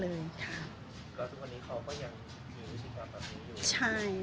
แล้วทุกวันนี้เขาก็ยังมีวิธีการแบบนี้อยู่ใช่